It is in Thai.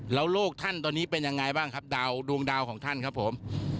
แล้วโลกท่านตอนนี้เป็นยังไงบ้างครับดาวดวงดาวของท่านครับผม